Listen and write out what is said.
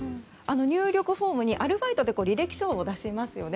入力フォームにアルバイトって履歴書を出しますよね。